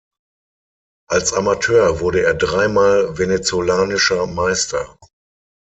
Als Amateur wurde er dreimal Venezolanischer Meister.